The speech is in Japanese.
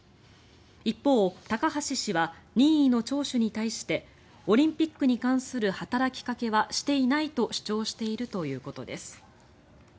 一方、高橋氏は任意の聴取に対してオリンピックに関する働きかけはしていないと主張しているということです。